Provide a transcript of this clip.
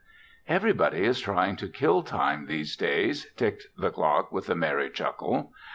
"Everybody is trying to kill Time these days," ticked the clock with a merry chuckle.